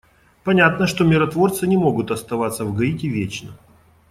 Понятно, что миротворцы не могут оставаться в Гаити вечно.